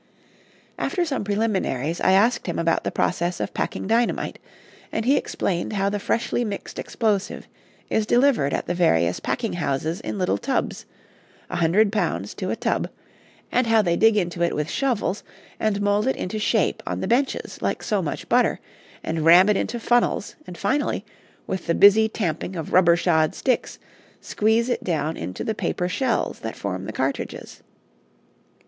After some preliminaries I asked him about the process of packing dynamite, and he explained how the freshly mixed explosive is delivered at the various packing houses in little tubs, a hundred pounds to a tub, and how they dig into it with shovels, and mold it into shape on the benches like so much butter, and ram it into funnels, and finally, with the busy tamping of rubber shod sticks, squeeze it down into the paper shells that form the cartridges.